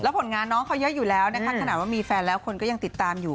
ผลงานน้องเขาเยอะอยู่แล้วนะคะขนาดว่ามีแฟนแล้วคนก็ยังติดตามอยู่